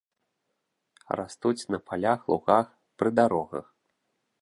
Растуць на палях, лугах, пры дарогах.